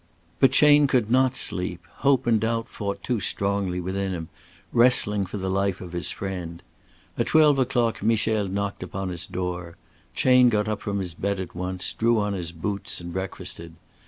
But Chayne could not sleep; hope and doubt fought too strongly within him, wrestling for the life of his friend. At twelve o'clock Michel knocked upon his door. Chayne got up from his bed at once, drew on his boots, and breakfasted.